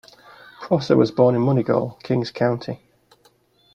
Prosser was born in Moneygall, King's County.